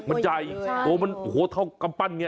มันใจใช่โอ้มันหัวเท่ากำปั้นเนี้ย